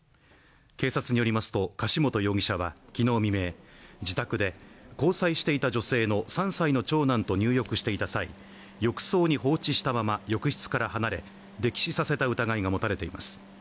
警察によりますと柏本容疑者は昨日未明自宅で交際していた女性の３歳の長男と入浴していた際浴槽に放置したまま浴室から離れ溺死させた疑いが持たれています